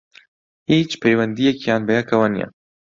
هیچ پەیوەندییەکیان بەیەکەوە نییە